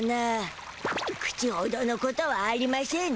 口ほどのことはありましぇんでしたな。